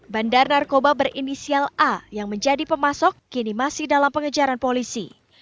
bandar narkoba berinisial a yang menjadi pemasok kini masih dalam pengejaran polisi